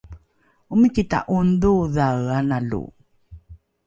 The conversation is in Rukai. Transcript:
omiki ta’ongdhoongdhoe analo